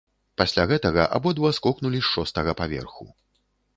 Пасля гэтага абодва скокнулі з шостага паверху.